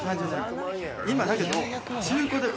今だけど。